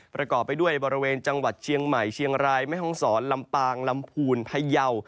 ประกอบไปด้วยบริเวณจังหวัดเชียงใหม่เชียงรายแม่ห้องศรลำปางลำพูนพยาว